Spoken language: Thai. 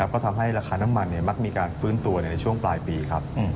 ก็ทำให้ราคาน้ำมันมักมีการฟื้นตัวในช่วงปลายปีครับ